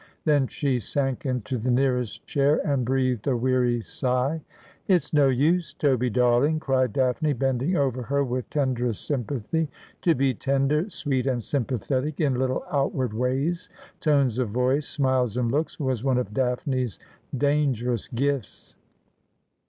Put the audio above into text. Then she sank into the nearest chair, and breathed a weary sigh. 26 Asphodel. ' It's no use, Toby darling,' cried Daphne, bending over her with tenderest sympathy. To be tender, sweet, and sympathetic in httle outward ways, tones of voice, smiles, and looks, was one of Daphne's dangerous gifts.